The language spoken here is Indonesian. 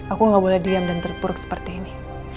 aku gak boleh diam dan terpuruk seperti ini